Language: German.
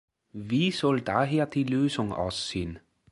Wie soll daher die Lösung aussehen?